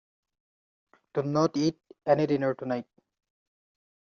Don't eat any dinner tonight.